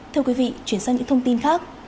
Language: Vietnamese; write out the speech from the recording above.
thưa quý vị chuyển sang những thông tin khác